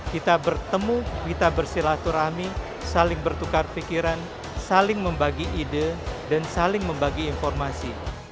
kita bertemu kita bersilaturahmi saling bertukar pikiran saling membagi ide dan saling membagi informasi